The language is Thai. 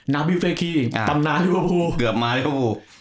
นาบิเฟคีตำนานลิเวอร์ฟู